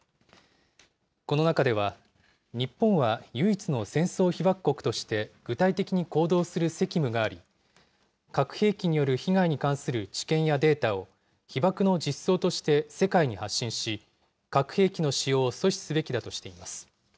この中では、日本は唯一の戦争被爆国として、具体的に行動する責務があり、核兵器による被害に関する知見やデータを、被爆の実相として世界に発信し、核兵器の使用を阻止すべきだとしています。